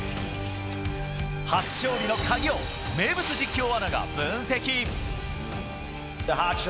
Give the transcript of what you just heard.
初勝利の鍵を名物実況アナが分析。